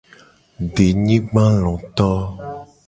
Denyigbaloto.